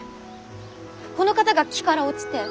この方が木から落ちて。